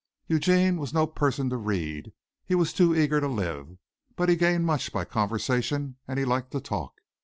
Eugene was no person to read he was too eager to live, but he gained much by conversation and he liked to talk.